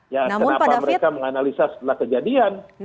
ya kenapa mereka menganalisa setelah kejadian